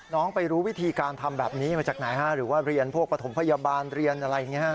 ไปรู้วิธีการทำแบบนี้มาจากไหนฮะหรือว่าเรียนพวกปฐมพยาบาลเรียนอะไรอย่างนี้